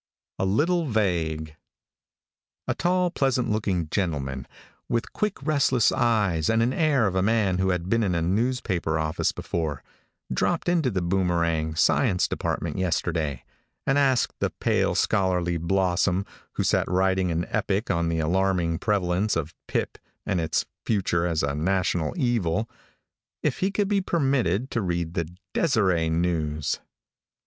A LITTLE VAGUE. |A TALL, pleasant looking gentleman, with quick, restless eyes, and the air of a man who had been in a newspaper office before, dropped into The Boomerang science department yesterday, and asked the pale, scholarly blossom, who sat writing an epic on the alarming prevalence of pip and its future as a national evil, if he could be permitted to read the Deseret News.